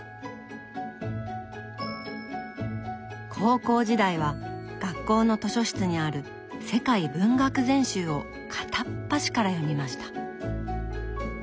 高校時代は学校の図書室にある「世界文学全集」を片っ端から読みました。